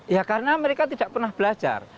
ya karena mereka tidak pernah belajar